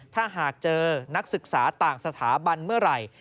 ถ้าหากเจอนักศึกษาต่างสถาบันเมื่อไหร่